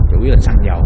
chủ yếu là xăng dầu